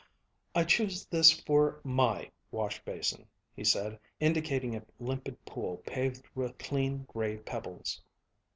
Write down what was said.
"I choose this for my wash basin," he said, indicating a limpid pool paved with clean gray pebbles.